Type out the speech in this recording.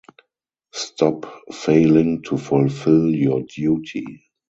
Stop failing to fulfill your duty.